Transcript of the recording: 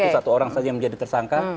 satu orang saja yang menjadi tersangka